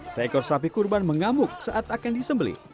seekor sapi kurban mengamuk saat akan disembeli